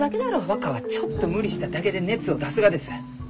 若はちょっと無理しただけで熱を出すがです。